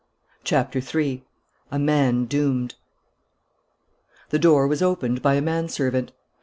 CHAPTER THREE A MAN DOOMED The door was opened by a manservant.